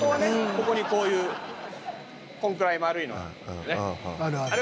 ここにこういうこんくらい丸いのがあってね。